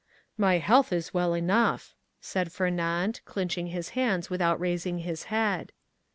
"My health is well enough," said Fernand, clenching his hands without raising his head.